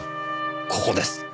ここです。